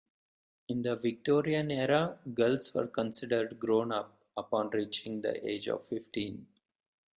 In the Victorian Era, girls were considered grown-up upon reaching the age of fifteen.